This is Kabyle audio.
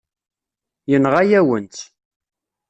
Yenɣa-yawen-tt.